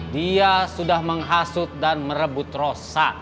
dia sudah menghasut dan merebut rosa